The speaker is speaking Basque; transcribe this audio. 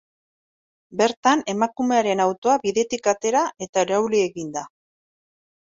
Bertan, emakumearen autoa bidetik atera, eta irauli egin da.